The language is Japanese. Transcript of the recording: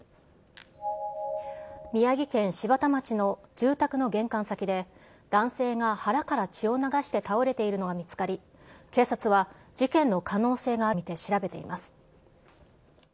宮城県柴田町の住宅の玄関先で、男性が腹から血を流しているのが見つかり、警察は事件の可能性があると見て調べています。